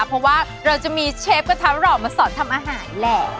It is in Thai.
เพราะว่าเราจะมีเชฟกระทะหล่อมาสอนทำอาหารแหละ